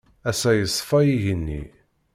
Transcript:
Ass-a, yeṣfa yigenni.